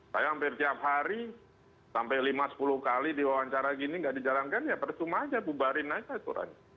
saya hampir tiap hari sampai lima sepuluh kali diwawancara gini nggak dijalankan ya percuma aja bubarin aja aturannya